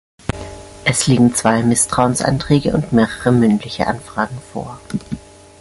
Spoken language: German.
Es liegen zwei Misstrauensanträge und mehrere mündliche Anfragen vor.